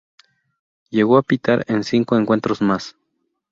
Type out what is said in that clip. Llegó a pitar en cinco encuentros más.